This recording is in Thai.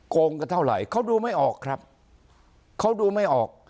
โกงกันเท่าไหร่เขาดูไม่ออกครับเขาดูไม่ออก